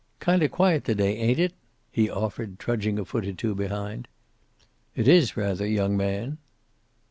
"Kinda quiet to day, ain't it?" he offered, trudging a foot or two behind. "It is, rather, young man."